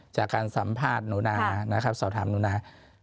จากการสัมภาษณ์หนูนานะครับสอบถามหนูนา